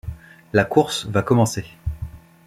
la course va commencer